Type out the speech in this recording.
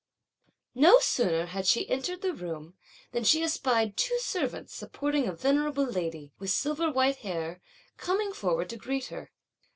No sooner had she entered the room, than she espied two servants supporting a venerable lady, with silver white hair, coming forward to greet her.